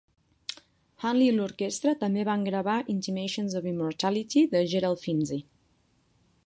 Handley i l'orquestra també van gravar "Intimations of Immortality" de Gerald Finzi.